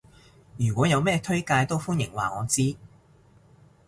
如果有咩推介都歡迎話我知